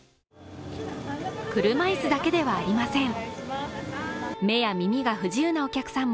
車椅子だけではありません。